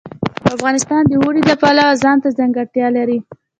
افغانستان د اوړي د پلوه ځانته ځانګړتیا لري.